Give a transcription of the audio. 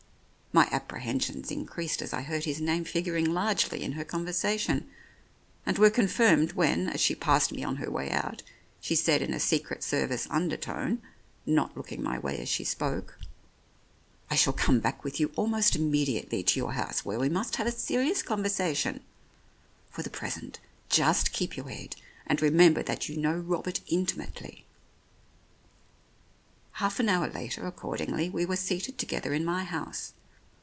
My apprehensions increased as I heard his name figuring largely in her conversation, and were confirmed when, as she passed me on her way out, she said in a Secret Service undertone, not looking my way as she spoke :" I shall come back with you almost immediately to your house, where we must have a serious conver sation. For the present just keep your head, and remember that you know Robert intimately." Half an hour later, accordingly, we were seated together in my house.